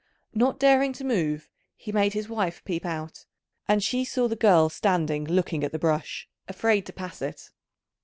Not daring to move, he made his wife peep out; and she saw the girl standing looking at the brush, afraid to pass it.